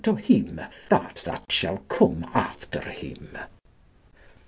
to hym that, that schal come aftir hym?